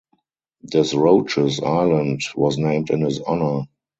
Desroches Island was named in his honour.